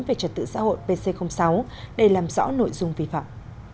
về trật tự xã hội pc sáu để làm rõ nội dung vi phạm